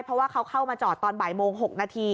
เพราะว่าเขาเข้ามาจอดตอนบ่ายโมง๖นาที